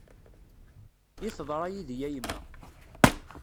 I teḍra yid-i a yemma.